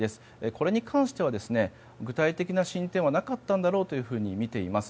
これに関しては、具体的な進展はなかったんだろうとみています。